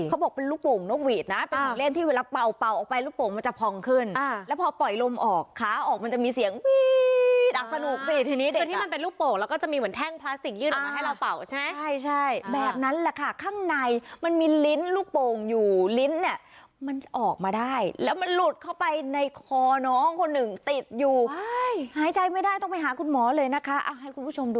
เขาบอกเป็นลูกโป่งนกหวีดนะเป็นของเล่นที่เวลาเป่าออกไปลูกโป่งมันจะพองขึ้น